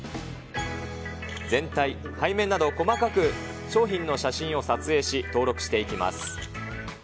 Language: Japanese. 全体、背面など、細かく商品の写真を撮影し、登録していきます。